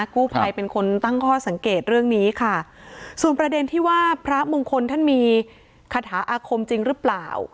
กู้ภัยเป็นคนตั้งข้อสังเกตเรื่องนี้ค่ะส่วนประเด็นที่ว่าพระมงคลท่านมีคาถาอาคมจริงหรือเปล่า